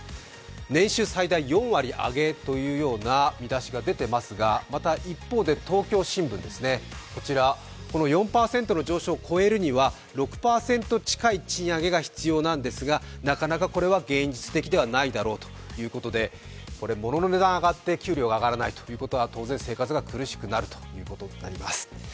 年収最大４割上げというような見出しが出ていますが、また、一方で「東京新聞」です。４％の上昇を超えるには６％近い賃上げが必要なんですが、なかなか現実的ではないだろうということで物の値段が上がって給料が上がらないということは、当然、生活が苦しくなるということになります。